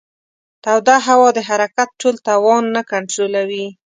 توده هوا د حرکت ټول توان نه کنټرولوي.